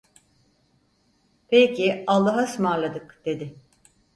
"Peki, allahaısmarladık…" dedi.